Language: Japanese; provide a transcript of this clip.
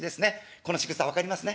このしぐさ分かりますね？